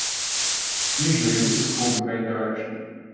Usually, this is called the main direction.